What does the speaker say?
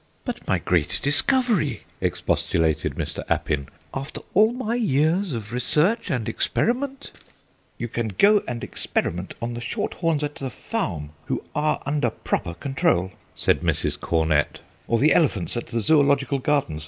"But my great discovery!" expostulated Mr. Appin; "after all my years of research and experiment " "You can go and experiment on the shorthorns at the farm, who are under proper control," said Mrs. Cornett, "or the elephants at the Zoological Gardens.